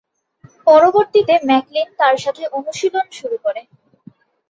পরবর্তীতে ম্যাকলিন তার সাথে অনুশীলন শুরু করে।